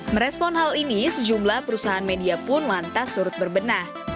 merespon hal ini sejumlah perusahaan media pun lantas turut berbenah